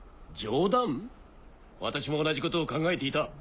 私も同じことを考えていた。